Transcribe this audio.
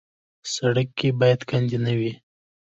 سړک کې باید کندې نه وي.